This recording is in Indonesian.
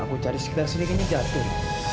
aku cari sekitar sini gini jatuh